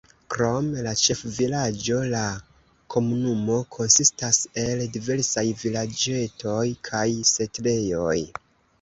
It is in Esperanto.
Krom la ĉefvilaĝo la komunumo konsistas el diversaj vilaĝetoj kaj setlejoj.